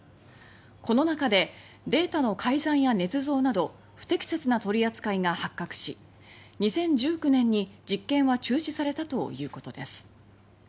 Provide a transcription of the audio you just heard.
この中でデータの改ざんやねつ造など不適切な取り扱いが発覚し２０１９年に実験は中止されたということです。